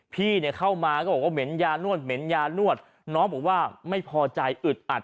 พี่เนี่ยเข้ามาก็บอกว่าเหม็นยานวดเหม็นยานวดน้องบอกว่าไม่พอใจอึดอัด